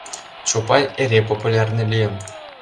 Чопай эре популярный лийын.